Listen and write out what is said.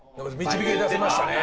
導き出せましたね。